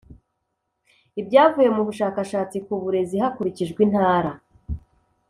Ibyavuye mu bushakashatsi ku burezi hakurikijwe intara